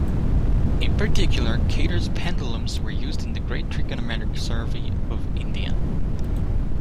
In particular, Kater's pendulums were used in the Great Trigonometric Survey of India.